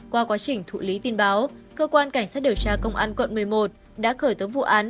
qua quá trình thụ lý tin báo cơ quan cảnh sát điều tra công an quận một mươi một đã khởi tố vụ án